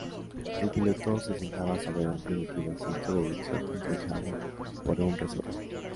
El piloto se sentaba sobre un primitivo asiento de eyección impulsado por un resorte.